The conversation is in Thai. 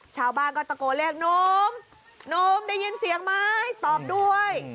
ชาวบ้านก็ตะโกนเรียกหนุ่มนุ่มได้ยินเสียงไหมตอบด้วย